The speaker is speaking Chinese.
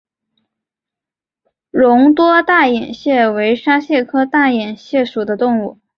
绒毛大眼蟹为沙蟹科大眼蟹属的动物。